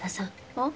うん？